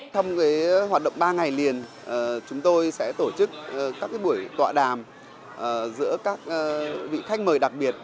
trong hoạt động ba ngày liền chúng tôi sẽ tổ chức các buổi tọa đàm giữa các vị khách mời đặc biệt